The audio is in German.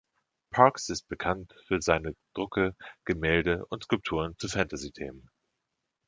Parkes ist bekannt für seine Drucke, Gemälde und Skulpturen zu Fantasy-Themen.